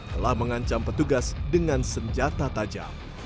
telah mengancam petugas dengan senjata tajam